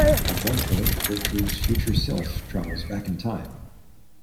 At one point, Gertrude's future self travels back in time.